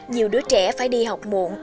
nhiều đứa trẻ phải đi học muộn